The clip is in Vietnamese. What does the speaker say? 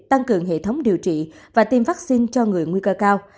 tăng cường hệ thống điều trị và tiêm vaccine cho người nguy cơ cao